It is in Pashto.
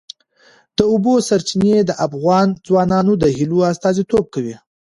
د اوبو سرچینې د افغان ځوانانو د هیلو استازیتوب کوي.